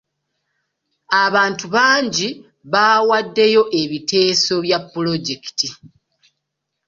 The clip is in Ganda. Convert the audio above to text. Abantu bangi baawaddeyo ebiteeso bya pulojekiti.